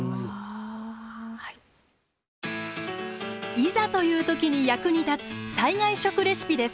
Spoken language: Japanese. いざという時に役に立つ災害食レシピです。